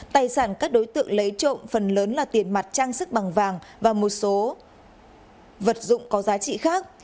tài sản các đối tượng lấy trộm phần lớn là tiền mặt trang sức bằng vàng và một số vật dụng có giá trị khác